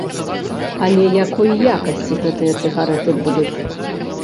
Але якой якасці гэтыя цыгарэты будуць?